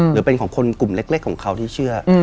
หรือเป็นของคนกลุ่มเล็กของเขาที่เชื่อ